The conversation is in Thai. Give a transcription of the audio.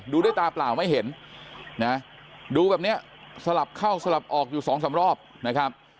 ดูด้วยตาเปล่าไม่เห็นนะดูแบบเนี้ยสลับเข้าสลับออกอยู่สองสามรอบนะครับ